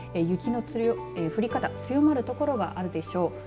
雪の降り方強まる所があるでしょう。